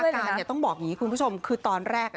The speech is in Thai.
งานเนี่ยต้องบอกอย่างนี้คุณผู้ชมคือตอนแรก